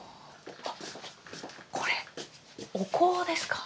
これお香ですか？